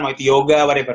mau itu yoga whatever